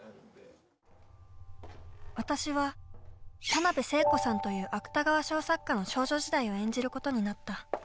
私は田辺聖子さんという芥川賞作家の少女時代を演じることになった。